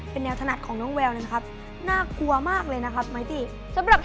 เป็นแนวถนัดของน้องแวลว์เลยนะครับ